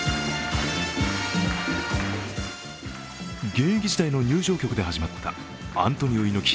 現役時代の入場曲で始まったアントニオ猪木